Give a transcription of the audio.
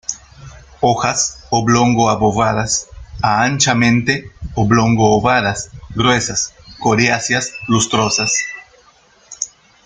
Hojas oblongo-obovadas a anchamente oblongo-ovadas, gruesas, coriáceas, lustrosas.